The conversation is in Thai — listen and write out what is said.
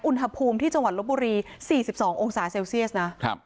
อุณหภูมิที่จังหวัดลบบุรีสี่สิบสององศาเซลเซียสนะครับ